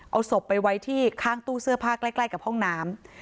เอาศพไปไว้ที่ข้างตู้เสื้อผ้าใกล้กับห้องน้ำ